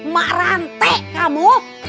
ma rantai kamu